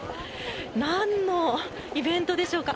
なんのイベントでしょうか。